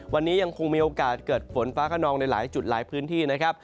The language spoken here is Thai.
วันนี้ยังคงมีโอกาสเกิดฝนฟ้าขนองในหลายจุดหลายพื้นที่นะครับ